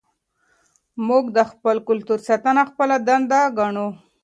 موږ د خپل کلتور ساتنه خپله دنده ګڼو.